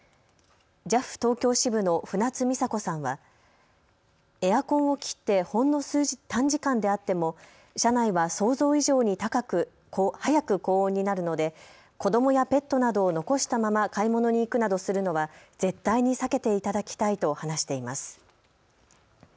ＪＡＦ東京支部の船津実佐子さんは、エアコンを切ってほんの短時間であっても車内は想像以上に高く、早く高温になるので子どもやペットなどを残したまま買い物に行くなどするのは絶対に避けていただきたいと話しています。